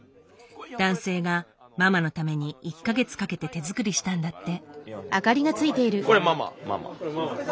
男性がママのために１か月かけて手作りしたんだって。